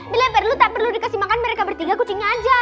bila perlu tak perlu dikasih makan mereka bertiga kucingnya aja